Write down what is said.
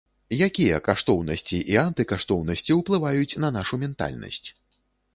Якія каштоўнасці і антыкаштоўнасці ўплываюць на нашу ментальнасць?